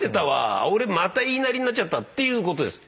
俺また言いなりになっちゃった」っていうことです。